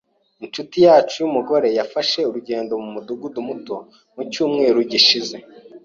Inshuti yacu yumugore yafashe urugendo mumudugudu muto mucyumweru gishize.